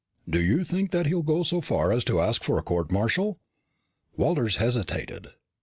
"Do you think that he'll go so far as to ask for a court martial?" Walters hesitated.